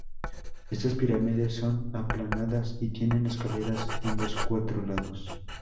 Estas pirámides son aplanadas y tienen escaleras en los cuatro lados.